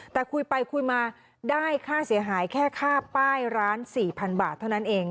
แต่คุยไปคุยมาได้ค่าเสียหายแค่ค่าป้ายร้าน๔๐๐๐บาทเท่านั้นเอง